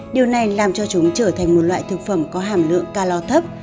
điều này làm cho chúng trở thành một loại thực phẩm có hàm lượng calor thấp